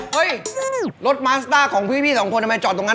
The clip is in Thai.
เฮ้ยรถมาสต้าของพี่สองคนทำไมจอดตรงนั้น